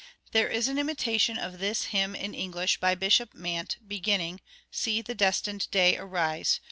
There is an imitation of this hymn in English by Bishop Mant, beginning, "See the destined day arise!"